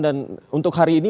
dan untuk hari ini